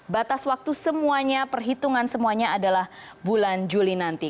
batas waktu semuanya perhitungan semuanya adalah bulan juli nanti